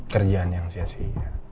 kerjaan yang sia sia